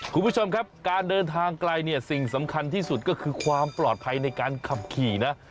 คุณผู้ชมครับการเดินทางไกลเนี่ยสิ่งสำคัญที่สุดก็คือความปลอดภัยในการขับขี่นะ